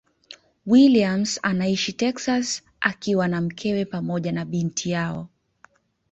Williams anaishi Texas akiwa na mkewe pamoja na binti yao.